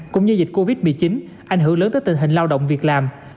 cũng như dịch covid một mươi chín ảnh hưởng lớn tới tình hình lao động việc làm